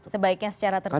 sebaiknya secara tertutup